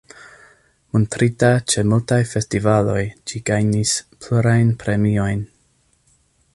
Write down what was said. Montrita ĉe multaj festivaloj ĝi gajnis plurajn premiojn.